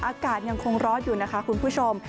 อากาศยังคงร้อนอยู่นะคะคุณผู้ชม